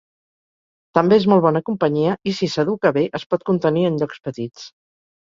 També és molt bona companyia, i si s'educa bé, es pot contenir en llocs petits.